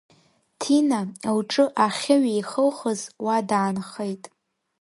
Ҭина, лҿы ахьыҩеихылхыз, уа даанхеит.